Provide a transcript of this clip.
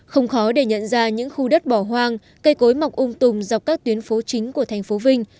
không khó để nhận ra những khu đất bỏ hoang cây cối mọc ung tùng dọc các tuyến phố chính của thành phố vinh